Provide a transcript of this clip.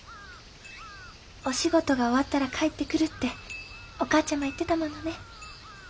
お仕事が終わったら帰ってくるってお母ちゃま言ってたものね。